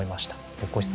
大越さん